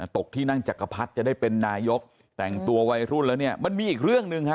ตกที่นั่งจักรพรรดิจะได้เป็นนายกแต่งตัววัยรุ่นแล้วเนี่ยมันมีอีกเรื่องหนึ่งฮะ